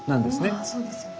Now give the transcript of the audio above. あそうですよね。